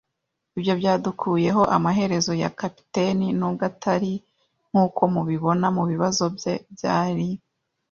ibyo byadukuyeho amaherezo ya capitaine, nubwo atari, nkuko mubibona, mubibazo bye. Byari